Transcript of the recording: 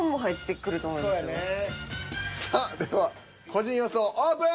さあでは個人予想オープン。